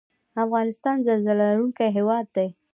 افغانستان زلزله لرونکی هیواد دی